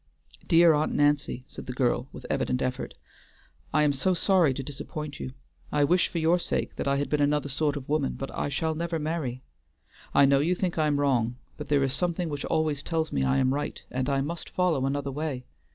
"Dear Aunt Nancy," said the girl, with evident effort, "I am so sorry to disappoint you. I wish for your sake that I had been another sort of woman; but I shall never marry. I know you think I am wrong, but there is something which always tells me I am right, and I must follow another way.